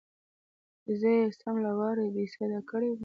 چې زه يې سم له وارې بېسده کړى وم.